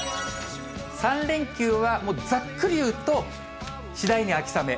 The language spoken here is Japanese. ３連休は、もうざっくり言うと、次第に秋雨。